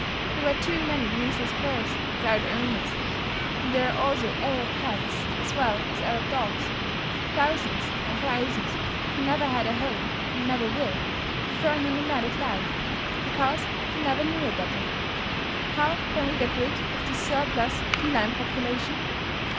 There were too many useless curs without owners; and there are also Arab cats as well as Arab dogs thousands on thousands, who never had a home and never will, preferring a nomadic life, because they never knew a better. How can we get rid of this surplus feline population?